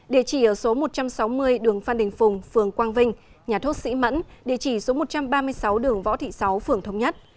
địa chỉ ở số một trăm sáu mươi đường phan đình phùng phường quang vinh nhà thuốc sĩ mẫn địa chỉ số một trăm ba mươi sáu đường võ thị sáu phường thống nhất